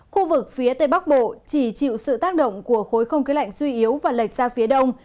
khu vực phía tây bắc bộ chỉ chịu sự tác động của khối không khí lạnh suy yếu và lệch ra phía đông